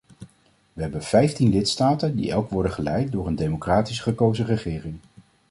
We hebben vijftien lidstaten die elk worden geleid door een democratisch gekozen regering.